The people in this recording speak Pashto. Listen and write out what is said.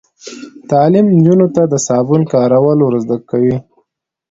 تعلیم نجونو ته د صابون کارول ور زده کوي.